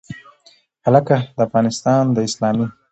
هکله، د افغانستان د اسلامي